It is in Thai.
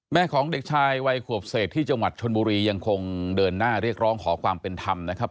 ของเด็กชายวัยขวบเศษที่จังหวัดชนบุรียังคงเดินหน้าเรียกร้องขอความเป็นธรรมนะครับ